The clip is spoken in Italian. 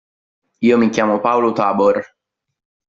Io mi chiamo Paolo Tabor.